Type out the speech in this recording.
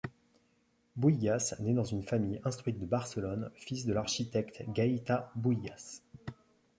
Buïgas naît dans une famille instruite de Barcelone, fils de l'architecte Gaietà Buïgas.